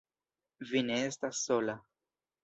Vi ne estas sola!